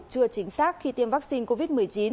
chưa chính xác khi tiêm vaccine covid một mươi chín